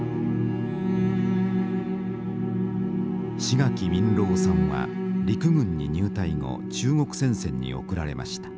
志垣民郎さんは陸軍に入隊後中国戦線に送られました。